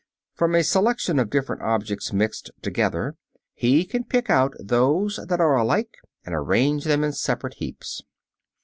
From a selection of different objects mixed together he can pick out those that are alike, and arrange them in separate heaps.